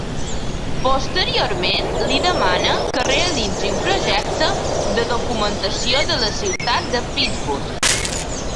Posteriorment li demana que realitzi un projecte de documentació de la ciutat de Pittsburgh.